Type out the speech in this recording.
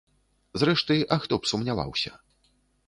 Зрэшты, а хто б сумняваўся?